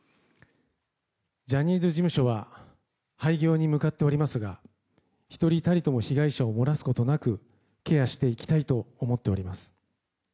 ジャニーズ事務所は廃業に向かっておりますが１人たりとも被害者を漏らすことなくケアしていきたいと思っております。